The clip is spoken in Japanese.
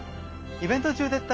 イベント中ですか？